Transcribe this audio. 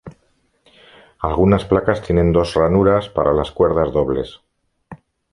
Algunas placas tienen dos ranuras para las cuerdas dobles.